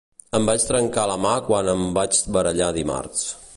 Em vaig trencar la mà quan em vaig barallar dimarts.